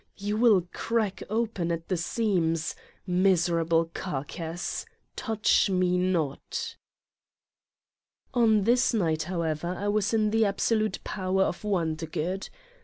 You will crack open at the seams Miserable carcass ! touch me not! On this night however I was in the absolute power of Wondergood.